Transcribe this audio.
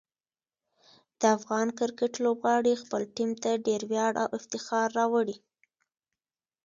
د افغان کرکټ لوبغاړي خپل ټیم ته ډېر ویاړ او افتخار راوړي.